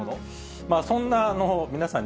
そんな皆さん